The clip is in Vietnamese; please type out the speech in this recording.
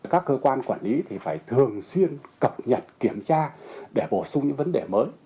các cơ quan quản lý thì phải thường xuyên cập nhật kiểm tra để bổ sung những vấn đề mới